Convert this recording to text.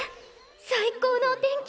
最高のお天気！